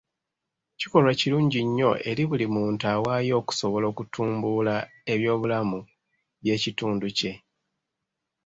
Kikolwa kirungi nnyo eri buli muntu awaayo okusobola okutumbuula eby'obulamu by'ekitundu kye.